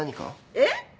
えっ？